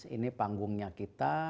ini panggungnya kita